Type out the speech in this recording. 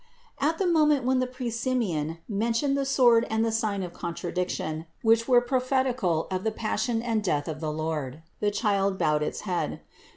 601. At the moment when the priest Simeon men tioned the sword and the sign of contradiction, which were prophetical of the passion and death of the Lord, the Child bowed its head.